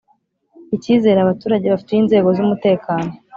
Icyizere abaturage bafitiye inzego z’umutekano